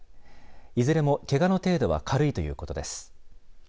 いずれもけがの程度は軽いということです。